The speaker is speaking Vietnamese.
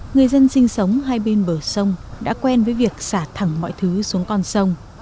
người dân sinh sống hai bên bờ sông đã quen với việc xả thẳng mọi thứ xuống con sông